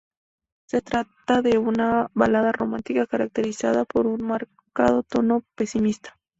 Se trata de una balada romántica caracterizada por un marcado tono pesimista.